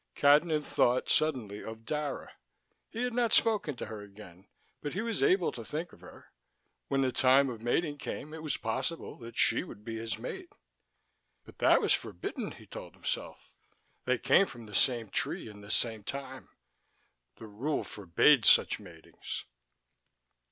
Cadnan thought, suddenly, of Dara. He had not spoken to her again, but he was able to think of her. When the time of mating came, it was possible that she would be his mate.... But that was forbidden, he told himself. They came from the same tree in the same time. The rule forbade such matings.